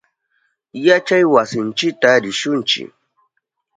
Yachaywasinchita rishunchi.